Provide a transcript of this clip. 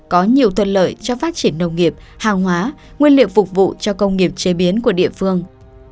có nhiều thuận lợi cho phát triển nông nghiệp hàng hóa nguyên liệu phục vụ cho công nghiệp chế biến của địa phương